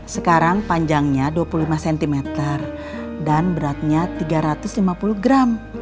sekarang panjangnya dua puluh lima cm dan beratnya tiga ratus lima puluh gram